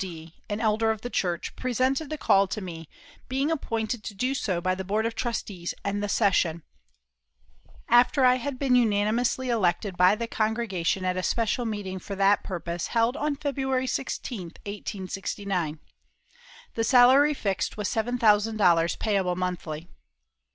D., an elder of the Church, presented the call to me, being appointed to do so by the Board of Trustees and the Session, after I had been unanimously elected by the congregation at a special meeting for that purpose held on February 16, 1869. The salary fixed was $7,000, payable monthly.